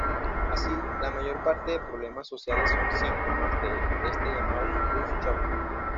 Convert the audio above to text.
Así, la mayor parte de problemas sociales son síntomas de este llamado Future Shock.